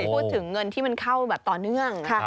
เราพูดถึงเงินที่เข้าต่อเนื่อง